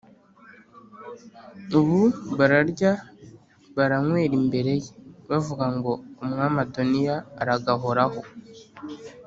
ubu bararya baranywera imbere ye, bavuga ngo ‘Umwami Adoniya aragahoraho.’